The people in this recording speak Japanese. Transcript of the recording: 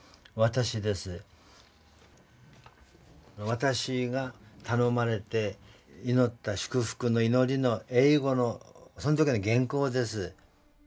私が頼まれて祈った祝福の祈りの英語のその時の原稿です。